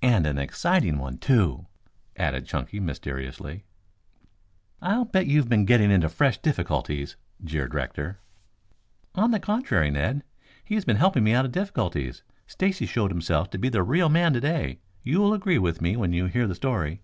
"And an exciting one, too," added Chunky, mysteriously. "I'll bet you have been getting into fresh difficulties," jeered Rector. "On the contrary, Ned, he has been helping me out of difficulties. Stacy showed himself to be the real man today. You will agree with me when you hear the story."